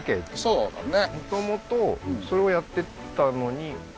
そうだね